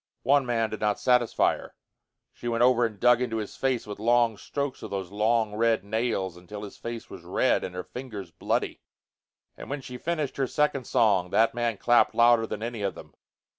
One man did not satisfy her. She went over and dug into his face with long strokes of those long red nails until his face was red and her fingers bloody. And when she finished her second song that man clapped louder than any of them.